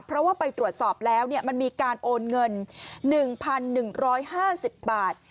เพราะว่าไปตรวจสอบแล้วมันมีการโอนเงิน๑๑๕๐บาท